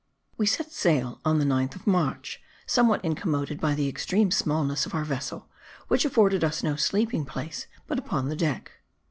We set sail on the 9th of March, somewhat incommoded by the extreme smallness of our vessel, which afforded us no sleeping place but upon deck.